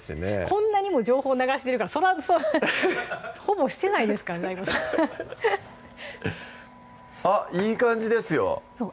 こんなにも情報流してるからそらほぼしてないですからＤＡＩＧＯさんあっいい感じですよ